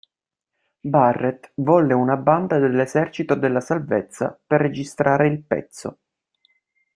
Barrett volle una banda dell'Esercito della Salvezza per registrare il pezzo.